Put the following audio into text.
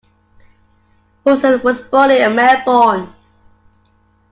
Poulsen was born in Melbourne.